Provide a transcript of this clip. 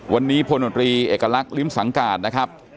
วันนี้พลโนตรีเอกลักษณ์ลิ้มสังการนะครับ